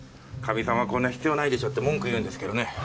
かみさんはこんな必要ないでしょって文句言うんですけどね。